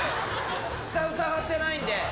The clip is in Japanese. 下、疑ってないんで。